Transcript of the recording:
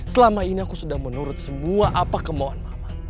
selama ini aku sudah menurut semua apa kemauan mama